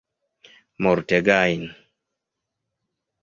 Multegajn!